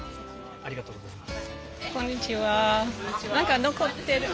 ありがとうございます。